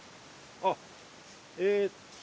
あっえ